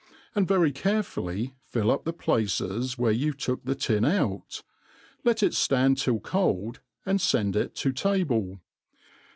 and very carefully fHl Mp the places where you took the tin out; let it fiand till cold, and fend it to table.